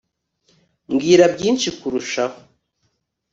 mbwira byinshi kurushaho